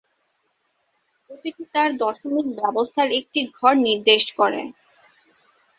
প্রতিটি তার দশমিক ব্যবস্থার একটি ঘর নির্দেশ করে।